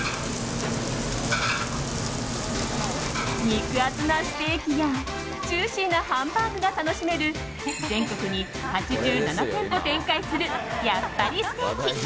肉厚なステーキや、ジューシーなハンバーグが楽しめる全国に８７店舗展開するやっぱりステーキ。